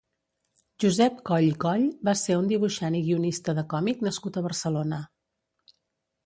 Josep Coll i Coll va ser un dibuixant i guionista de còmic nascut a Barcelona.